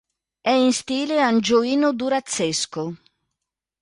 È in stile angioino-durazzesco.